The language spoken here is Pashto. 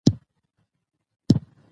ځای واچوه ..یعنی بستره هواره کړه